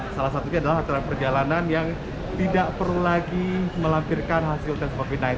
salah satunya adalah aturan perjalanan yang tidak perlu lagi melampirkan hasil tes covid sembilan belas